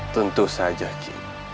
tentu saja ki